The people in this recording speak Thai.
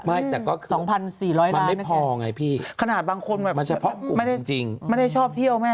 ไม่แต่ก็คือมันไม่พอไงพี่ขนาดบางคนแบบไม่ได้ชอบเที่ยว